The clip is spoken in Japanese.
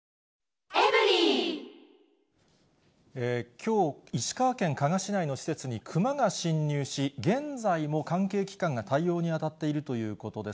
きょう、石川県加賀市内の施設にクマが侵入し、現在も関係機関が対応に当たっているということです。